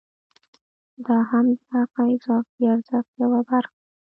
دا هم د هغه اضافي ارزښت یوه برخه ده